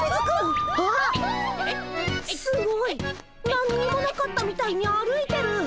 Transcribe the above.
何にもなかったみたいに歩いてる！